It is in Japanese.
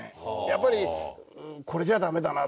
やっぱり。